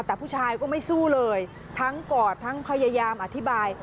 แต่ผู้ชายก็ไม่สู้เลยทั้งกอดทั้งพยายามอธิบาย